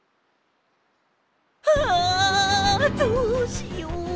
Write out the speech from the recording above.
あどうしよう！